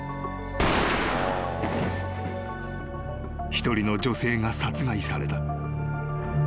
［一人の女性が殺害された］